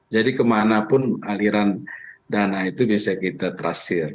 jadi kemanapun aliran dana itu bisa kita transfer